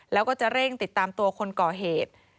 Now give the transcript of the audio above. แล้วก็จะเร่งติดตามตัวคนก่อเหตุ